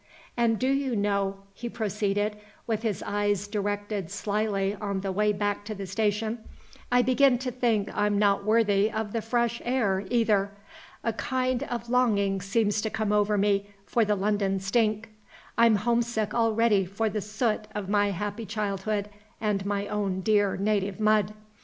And do you know," he proceeded, with his eyes directed slyly on the way back to the station, "I begin to think I'm not worthy of the fresh air, either. A kind of longing seems to come over me for the London stink. I'm home sick already for the soot of my happy childhood and my own dear native mud.